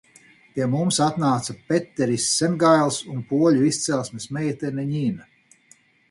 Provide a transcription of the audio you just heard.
Pie mums atnāca Peteris Sengails un poļu izcelsmes meitene Ņina.